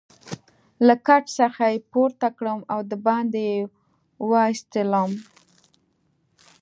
له کټ څخه يې پورته کړم او دباندې يې وایستلم.